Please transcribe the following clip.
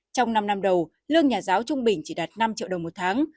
trong năm năm đầu lương nhà giáo trung bình chỉ đạt năm triệu đồng một tháng